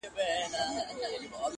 • ستونی د شپېلۍ به نغمه نه لري,